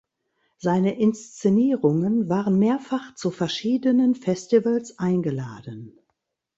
Seine Inszenierungen waren mehrfach zu verschiedenen Festivals eingeladen.